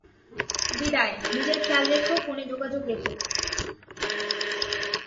বিদায়, নিজের খেয়াল রেখো ফোনে যোগাযোগ রেখো।